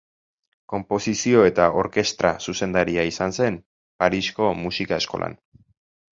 Konposizio eta orkestra-zuzendaria izan zen Parisko Musika Eskolan.